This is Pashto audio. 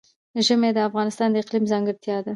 ژمی د افغانستان د اقلیم ځانګړتیا ده.